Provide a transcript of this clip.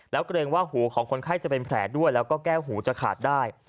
แล้วเกรงว่าหูของคนไข้จะเป็นแผลด้วยแล้วก็แก้วหูจะขาดได้